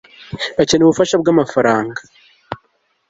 bakeneye ubufasha bwa mafaranga